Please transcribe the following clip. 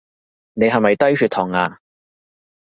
你係咪低血糖呀？